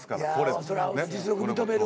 それは実力認める。